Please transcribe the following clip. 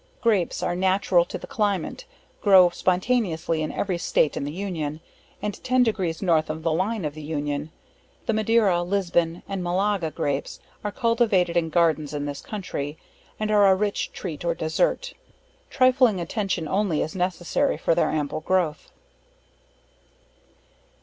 Grapes, are natural to the climate; grow spontaneously in every state in the union, and ten degrees north of the line of the union. The Madeira, Lisbon and Malaga Grapes, are cultivated in gardens in this country, and are a rich treat or desert. Trifling attention only is necessary for their ample growth.